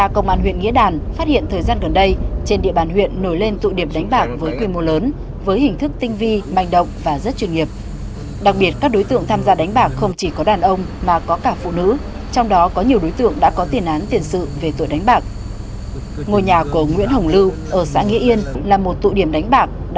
công an huyện nghĩa đàn tỉnh nghệ an vừa triệt xóa một ổ nhóm đánh bạc thu giữ hơn một trăm tám mươi triệu đồng cùng một số tang vật phục vụ đánh bạc thu giữ hơn một trăm tám mươi triệu đồng